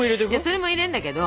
それも入れんだけど。